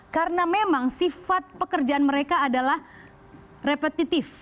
karena memang sifat pekerjaan mereka adalah repetitif